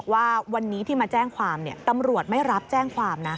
ว่าวันนี้ที่มาแจ้งความตำรวจไม่รับแจ้งความนะ